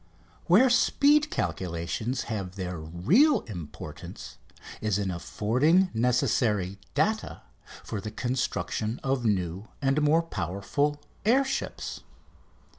Where speed calculations have their real importance is in affording necessary data for the construction of new and more powerful air ships.